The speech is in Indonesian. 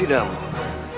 ambu harus mungkul